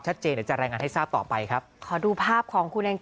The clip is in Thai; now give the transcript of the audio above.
เดี๋ยวจะรายงานให้ทราบต่อไปครับขอดูภาพของคุณเอง